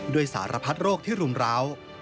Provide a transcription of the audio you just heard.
ด้วยสารพัดโรคที่รุมราว